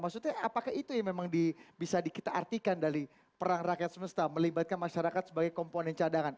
maksudnya apakah itu yang memang bisa kita artikan dari perang rakyat semesta melibatkan masyarakat sebagai komponen cadangan